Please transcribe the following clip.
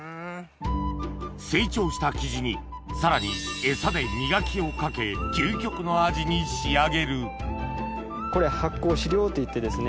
成長したキジにさらに餌で磨きをかけ究極の味に仕上げるといってですね